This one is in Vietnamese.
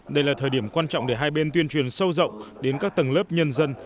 đây là thời điểm quan trọng để hai bên tuyên truyền sâu rộng đến các tầng lớp nhân dân